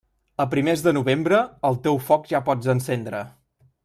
A primers de novembre, el teu foc ja pots encendre.